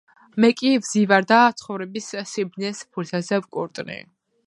...მე კი ვზივარ და ცხოვრების სიბრძნეს ფურცელზე ვკორტნი.